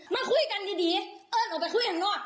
มาคุยกันดีเอิ้นออกไปคุยกันนอก